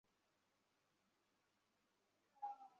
তবে তিনি মনে করেন, পুনর্বিবেচনায় আপিল বিভাগের রায় পরিবর্তিত হবে না।